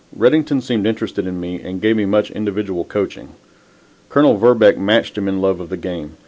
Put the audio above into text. Redington seemed interested in me and gave me much individual coaching. Colonel Verbeck matched him in love of the game.